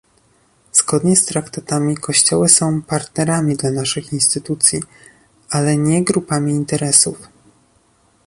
Zgodnie z traktatami kościoły są partnerami dla naszych instytucji, ale nie grupami interesów